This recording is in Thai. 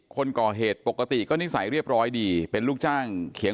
คนก่อเหตุปกติก็นิสัยเรียบร้อยดี